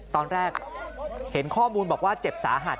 ตอนแรกเห็นข้อมูลบอกว่าเจ็บสาหัส